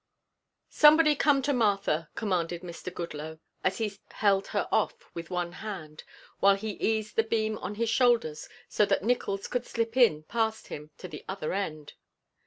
"Somebody come to Martha," commanded Mr. Goodloe, as he held her off with one hand while he eased the beam on his shoulder so that Nickols could slip in past him to the other end.